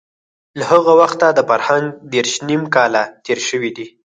له هغه وخته د فرهنګ دېرش نيم کاله تېر شوي دي.